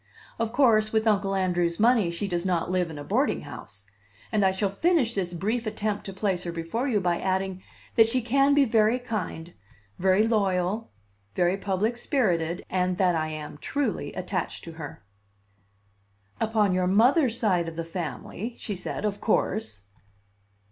Of course, with Uncle Andrew's money, she does not live in a boarding house; and I shall finish this brief attempt to place her before you by adding that she can be very kind, very loyal, very public spirited, and that I am truly attached to her. "Upon your mother's side of the family," she said, "of course."